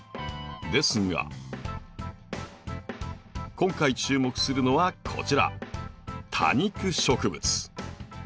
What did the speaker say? ですが今回注目するのはこちら多肉植物。